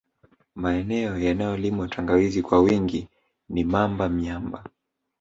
Maeneneo yanayolimwa tangawizi kwa wingi ni Mamba Myamba